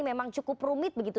memang cukup rumit begitu